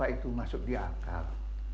itu masuk di akal